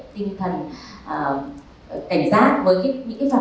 tinh thần cảnh giác với những phản ứng có thể xảy ra